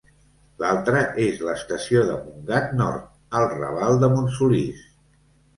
L'altra és l'estació de Montgat Nord, al raval de Montsolís.